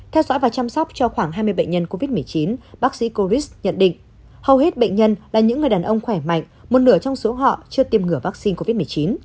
theo dõi và chăm sóc cho khoảng hai mươi bệnh nhân covid một mươi chín bác sĩ coritz nhận định hầu hết bệnh nhân là những người đàn ông khỏe mạnh một nửa trong số họ chưa tiêm ngừa vaccine covid một mươi chín